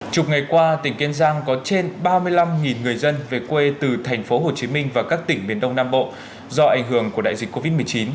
chục ngày qua tỉnh kiên giang có trên ba mươi năm người dân về quê từ thành phố hồ chí minh và các tỉnh miền đông nam bộ do ảnh hưởng của đại dịch covid một mươi chín